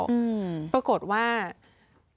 ปรากฏว่าเนื่องจากตอนนี้เนี่ยการทำสืออย่างน้องเฟิร์งเอง